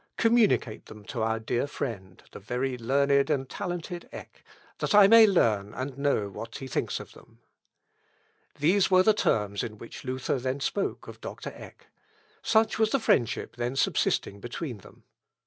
Communicate them to our dear friend, the very learned and talented Eck, that I may learn and know what he thinks of them." These were the terms in which Luther then spoke of Doctor Eck; such was the friendship then subsisting between them.